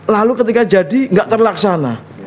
lalu ketika jadi nggak terlaksana